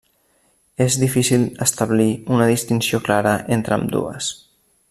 És difícil establir una distinció clara entre ambdues.